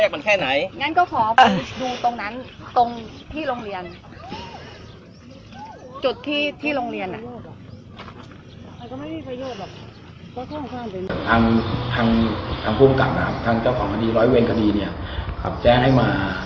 ผมผมผมแค่มาเช็คให้ว่าตัวเลขมันแค่ไหน